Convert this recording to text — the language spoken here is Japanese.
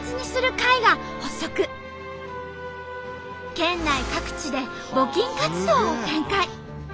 県内各地で募金活動を展開。